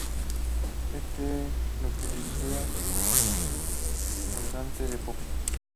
Este lo que desea es el colgante de Popo.